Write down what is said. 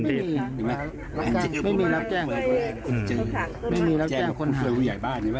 ไม่มีไม่มีรับแจ้งอืมไม่มีรับแจ้งคนหาย